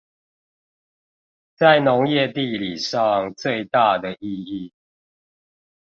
在農業地理上最大的意義